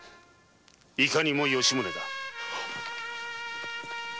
いかにも吉宗だ。